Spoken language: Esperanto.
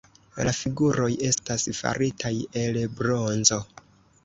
La figuroj estas faritaj el bronzo.